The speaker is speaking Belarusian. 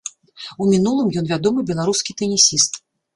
У мінулым ён вядомы беларускі тэнісіст.